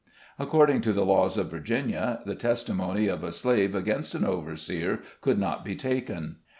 Accord ing to the laws of Virginia, the testimony of a slave against an overseer could not be taken.